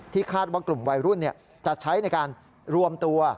คาดว่ากลุ่มวัยรุ่นจะใช้ในการรวมตัว